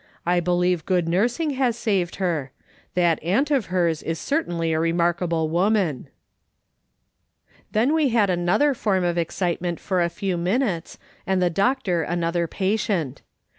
I believe good nursing has saved her. That aunt of hers is certainly a remarkable woman." Then we had another form of excitement for a few minutes, and the doctor another patient.